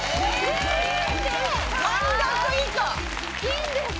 いいんです？